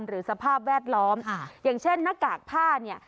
สภาพแวดล้อมอย่างเช่นหน้ากากผ้าเนี่ย